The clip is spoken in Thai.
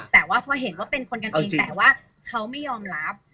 แต่ว่าพอเห็นว่าเป็นคนกันเองแต่ว่าเขาไม่ยอมรับ